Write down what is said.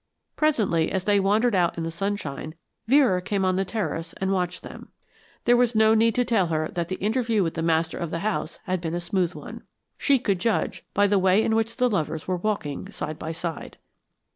Presently, as they wandered out in the sunshine, Vera came on the terrace and watched them. There was no need to tell her that the interview with the master of the house had been a smooth one. She could judge that by the way in which the lovers were walking side by side.